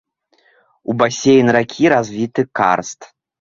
У басейн ракі развіты карст.